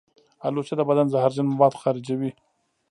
الوچه د بدن زهرجن مواد خارجوي.